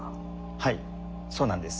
はいそうなんです。